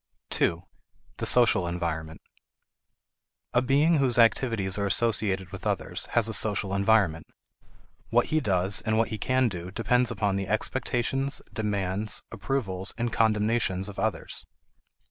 2. The Social Environment. A being whose activities are associated with others has a social environment. What he does and what he can do depend upon the expectations, demands, approvals, and condemnations of others.